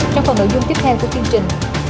trong phần nội dung tiếp theo của chương trình